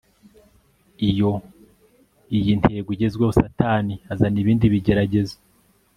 Iyo iyi ntego igezweho Satani azana ibindi bigeragezo